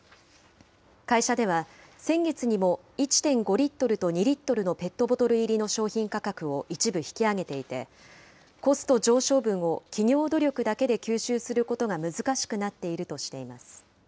会社では、先月にも１．５リットルと２リットルのペットボトル入りの商品価格を一部引き上げていて、コスト上昇分を企業努力だけで吸収することが難しくなっているとしています。